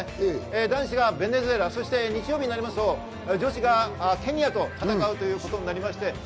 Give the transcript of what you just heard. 男子がベネズエラ、日曜日は女子がケニアと戦うということになりました。